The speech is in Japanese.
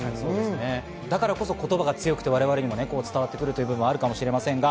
だからこそ言葉が強く我々にも伝わってくるのかもしれませんね。